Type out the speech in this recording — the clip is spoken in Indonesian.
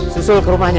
susul ke rumahnya